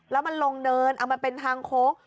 แล้วมันลงเนินเอามันเป็นทางโค้ง